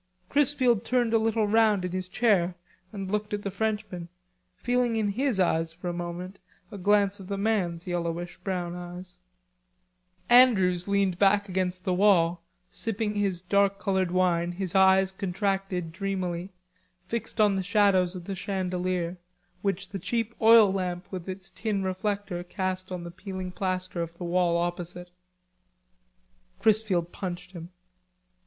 Chrisfield turned a little round in his chair and looked at the Frenchman, feeling in his eyes for a moment a glance of the man's yellowish brown eyes. Andrews leaned back against the wall sipping his dark colored wine, his eyes contracted dreamily, fixed on the shadow of the chandelier, which the cheap oil lamp with its tin reflector cast on the peeling plaster of the wall opposite. Chrisfield punched him.